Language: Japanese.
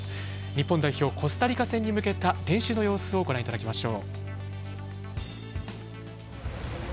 日本代表、コスタリカ戦に向けた練習の様子をご覧いただきましょう。